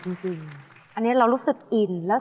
ช่วยฝังดินหรือกว่า